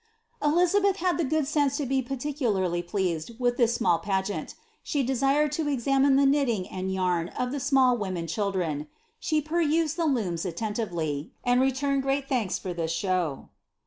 Elizabeth had the goot] sense to be particularly pleased with ibi) pageant; she desired to examine the knitting and yarn of the '■small women children;" "she perused ihe looms attentively," and reiunied great thanks for this show.